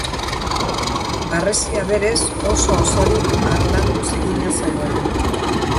Harresia berez, oso-osorik, harlanduz egina zegoen.